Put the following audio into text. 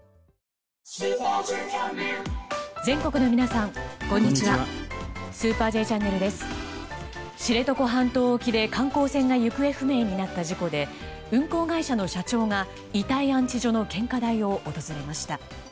知床半島沖で観光船が行方不明になった事故で運航会社の社長が遺体安置所の献花台を訪れました。